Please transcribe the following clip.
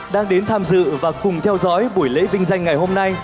đang đến tham dự và cùng theo dõi buổi lễ vinh danh ngày hôm nay